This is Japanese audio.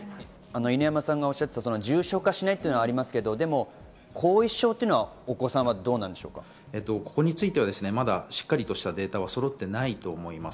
犬山さんが、おっしゃっていた重症化しないというのはありますが、後遺症はお子さん、どうなこれについてはしっかりとしたデータはそろってないと思います。